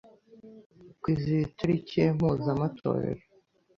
kwizihize teriki ye mpuzemetorero